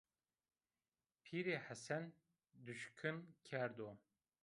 Pîrî Hesen duşkin kerdo